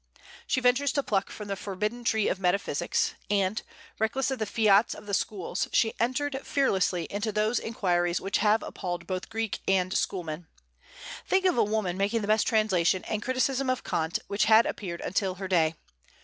She ventures to pluck from the forbidden tree of metaphysics; and, reckless of the fiats of the schools, she entered fearlessly into those inquiries which have appalled both Greek and schoolman. Think of a woman making the best translation and criticism of Kant which had appeared until her day!